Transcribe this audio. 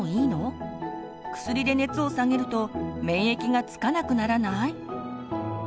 薬で熱を下げると免疫がつかなくならない？